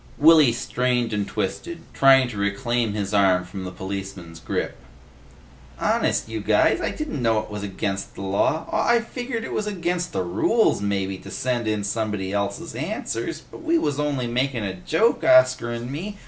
Willy strained and twisted, trying to reclaim his arm from the policeman's grip. "Honest, you guys. I didn't know it was against the law. Aw, I figgered it was against the rules mebbe to send in somebody else's answers, but we wuz only makin' a joke, Oscar 'n' me.